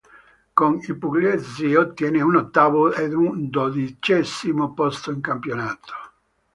Con i pugliesi ottiene un ottavo ed un dodicesimo posto in campionato.